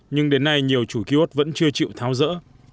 nhưng đến nay nhiều chủ ký ốt vẫn chưa chịu tháo rỡ